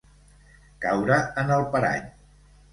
Caure en el parany.